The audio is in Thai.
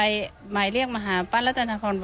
จริงมั้ยครับ